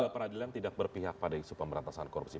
peradilan tidak berpihak pada isu pemberantasan korupsi